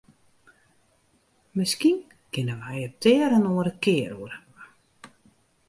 Miskien kinne wy it der in oare kear oer hawwe.